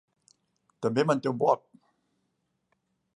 També manté un blog.